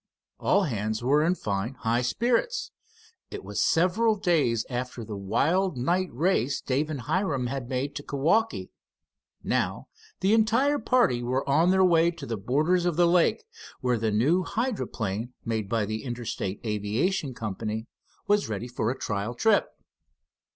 All hands were in fine high spirits. It was several days after the wild night race Dave and Hiram had made to Kewaukee. Now the entire party were on their way to the borders of the lake, where the new hydroplane made by the Interstate Aviation Company was ready for a trial trip.